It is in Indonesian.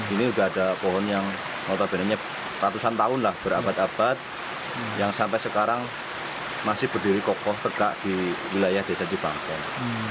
ini sudah ada pohon yang notabenenya ratusan tahun lah berabad abad yang sampai sekarang masih berdiri kokoh tegak di wilayah desa cibangkong